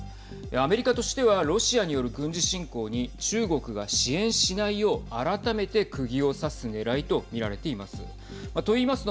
アメリカとしてはロシアによる軍事侵攻に中国が支援しないよう改めてくぎをさすねらいと見られています。